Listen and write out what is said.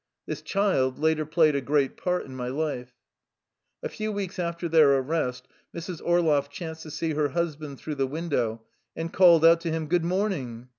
This child later played a great part in my life. A few weeks after their arrest, Mrs. Orloff chanced to see her husband through the window, and called out to him, " Good morning